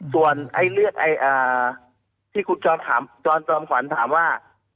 ส่วนไอ้เลือกที่คุณจอดถามจอดจำขวัญถามว่า